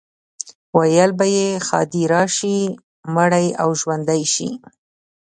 ویل به یې ښادي راشي، مړی او ژوندی شي.